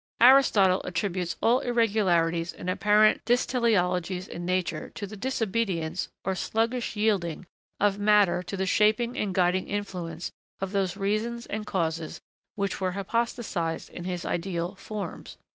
Aristotle attributes all irregularities and apparent dysteleologies in nature to the disobedience, or sluggish yielding, of matter to the shaping and guiding influence of those reasons and causes which were hypostatised in his ideal 'Forms.'